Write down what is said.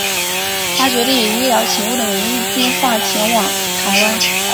他决定以医疗勤务的名义计画前往台湾。